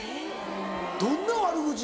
どんな悪口？